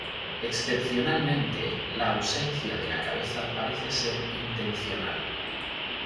Excepcionalmente, la ausencia de la cabeza parece ser intencional.